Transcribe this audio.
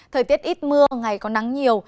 thời tiết ít mưa ngày có nắng nhiều